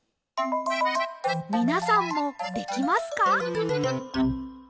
みなさんもできますか？